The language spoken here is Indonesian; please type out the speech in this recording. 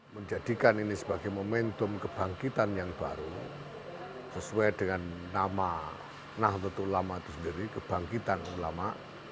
menjadikan ini sebagai momentum kebangkitan yang baru sesuai dengan nama nahdlatul ulama itu sendiri kebangkitan ulama